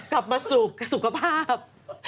กลับมาสู่สุขภาพ